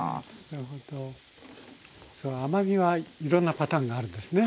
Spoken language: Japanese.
その甘みはいろんなパターンがあるんですね。